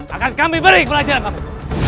akan kami beri kelajuan kamu